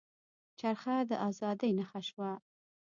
چرخه د ازادۍ نښه شوه.